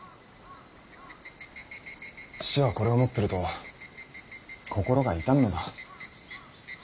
父はこれを持ってると心が痛むのだ。